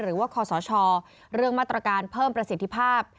หรือว่าคศเรื่องมาตรการเพิ่มประสิทธิภาพ